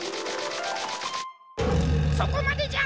そこまでじゃ！